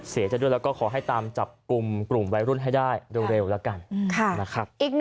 เสียใจด้วยแล้วก็ขอให้ตามจับกลุ่มกลุ่มวัยรุ่นให้ได้เร็วแล้วกันนะครับ